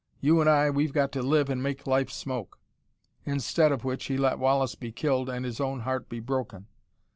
You and I, we've got to live and make life smoke.' Instead of which he let Wallace be killed and his own heart be broken.